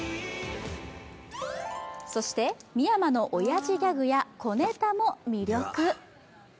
そして深山のオヤジギャグや小ネタも魅力。